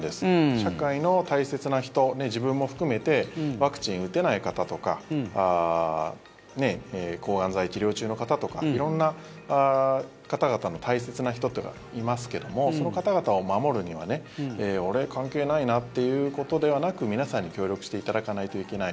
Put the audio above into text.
社会の大切な人、自分も含めてワクチン打てない方とか抗がん剤治療中の方とか色んな方々の大切な人とかいますけどもその方々を守るには俺、関係ないなってことではなく皆さんに協力していただかないといけない。